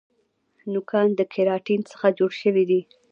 نوکان د کیراټین څخه جوړ شوي دي